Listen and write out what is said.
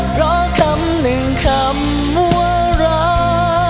เพราะคำหนึ่งคำว่ารัก